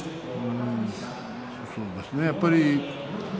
そうですね